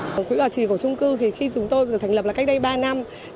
khoản quỹ bảo trì của chung cư thì khi chúng tôi được thành lập là cách đây ba năm